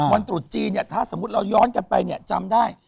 ตรุษจีนเนี่ยถ้าสมมุติเราย้อนกันไปเนี่ยจำได้